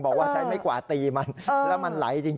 บอกว่าใช้ไม้กวาดตีมันแล้วมันไหลจริง